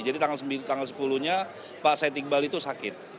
makanya pak syed iqbal itu sakit